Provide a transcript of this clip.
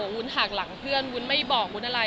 วุ้นหักหลังเพื่อนวุ้นไม่บอกวุ้นอะไร